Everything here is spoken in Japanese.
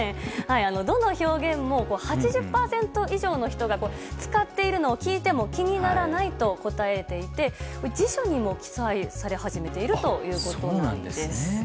どの表現も８０％以上の人が使っているのを聞いても気にならないと答えていて辞書にも記載され始めているということです。